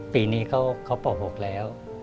ปีนี้เขาป๖แล้ว